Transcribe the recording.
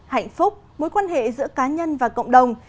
hạnh phúc mối quan hệ giữa cá nhân và cộng đồng